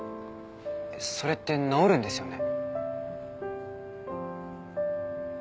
それって治るんですよね？